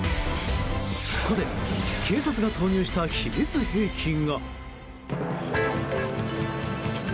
そこで警察が投入した秘密兵器が。